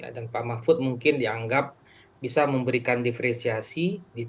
dan pak mahfud mungkin dianggap bisa memberikan diferensiasi